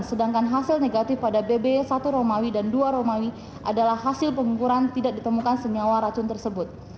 sedangkan hasil negatif pada bb satu romawi dan dua romawi adalah hasil pengukuran tidak ditemukan senyawa racun tersebut